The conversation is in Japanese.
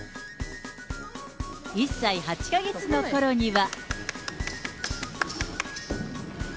１歳８か月のころには。